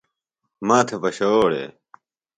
ماتھےۡ پشووڑے؟